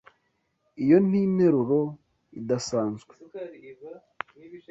Iyo ni interuro idasanzwe.